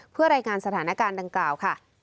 เพื่อรายงานสถานการณ์ดังกล่าวค่ะ